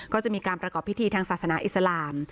ก็จะมีการประกอบพิธีทางศาสนาอิสลาม